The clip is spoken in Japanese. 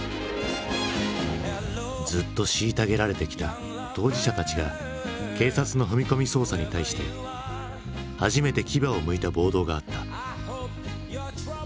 ずっと虐げられてきた当事者たちが警察の踏み込み捜査に対して初めて牙をむいた暴動があった。